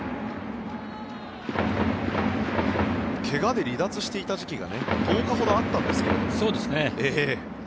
怪我で離脱していた時期が１０日ほどあったんですけども。